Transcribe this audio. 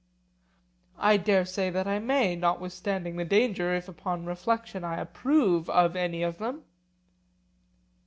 I dare say that I may, notwithstanding the danger, if upon reflection I approve of any of them.